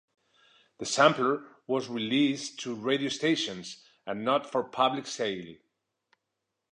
The sampler was released to radio stations and not for public sale.